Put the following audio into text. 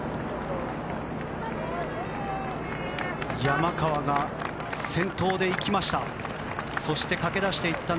山川が先頭で行きました。